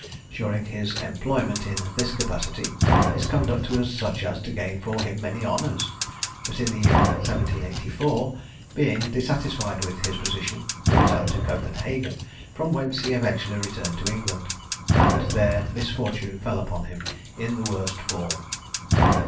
During his employment in this capacity, his conduct was such as to gain for him many honours; but in the year 1784, being dissatisfied with his position, he retired to Copenhagen, from whence he eventually returned to England, and there misfortune fell upon him in its worst form.